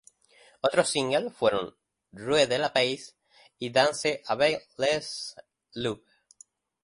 Otros singles fueron "Rue de la paix" y "Danse avec les loops".